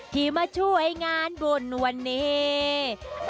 ที่มาช่วยงานบุญวันนี้